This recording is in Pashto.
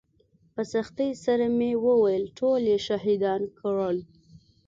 په سختۍ سره مې وويل ټول يې شهيدان کړل.